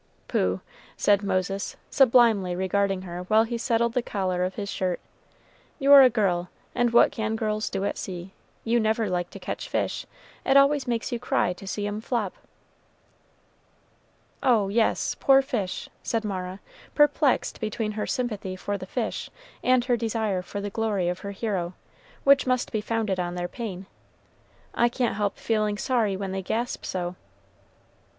"Pooh!" said Moses, sublimely regarding her while he settled the collar of his shirt, "you're a girl; and what can girls do at sea? you never like to catch fish it always makes you cry to see 'em flop." "Oh, yes, poor fish!" said Mara, perplexed between her sympathy for the fish and her desire for the glory of her hero, which must be founded on their pain; "I can't help feeling sorry when they gasp so."